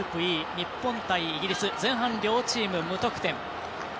日本対イギリス前半両チーム無得点。